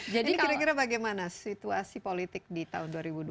jadi kira kira bagaimana situasi politik di tahun dua ribu dua puluh secara keseluruhan